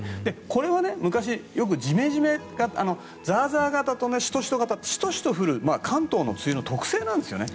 これはね、昔ザーザー型とシトシト型シトシト降る関東の梅雨の特性なんですよね。